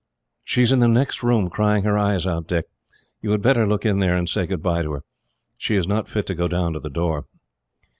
"She is in the next room, crying her eyes out, Dick. You had better look in there, and say goodbye to her. She is not fit to go down to the door."